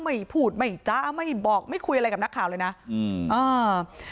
ไม่พูดไม่จ้าไม่บอกไม่คุยอะไรกับนักข่าวเลยนะอืมอ่า